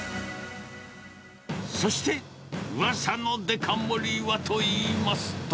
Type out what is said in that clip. そして、うわさのデカ盛りはといいますと。